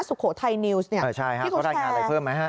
สุโขทัยนิวส์เนี่ยเออใช่ฮะเขารายงานอะไรเพิ่มไหมฮะ